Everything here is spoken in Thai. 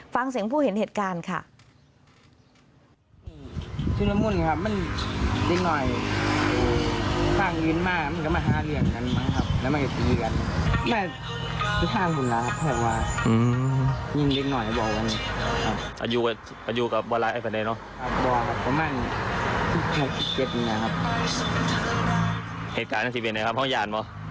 ฟังเสียงผู้เห็นเหตุการณ์ค่ะ